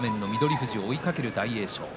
富士を追いかける大栄翔。